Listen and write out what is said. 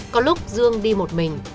có lúc dương đi một mình